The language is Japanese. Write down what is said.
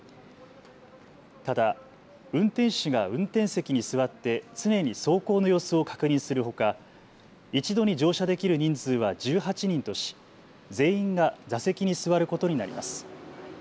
ただ運転手が運転席に座って常に走行の様子を確認するほか一度に乗車できる人数は１８人とし全員が座席に座ることになります。